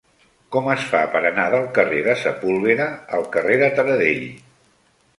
Com es fa per anar del carrer de Sepúlveda al carrer de Taradell?